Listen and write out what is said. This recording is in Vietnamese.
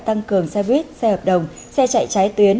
tăng cường xe buýt xe hợp đồng xe chạy trái tuyến